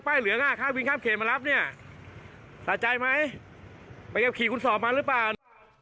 ไปเก็บขี่คุณสอบมาหรือป่าว